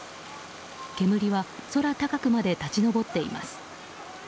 煙は空高くまで立ち上っています。